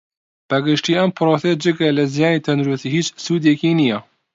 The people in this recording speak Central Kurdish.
بە گشتی ئەم پڕۆسەیە جگە لە زیانی تەندروستی ھیچ سودێکی نییە